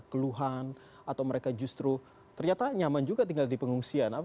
keluhan atau mereka justru ternyata nyaman juga tinggal di pengungsian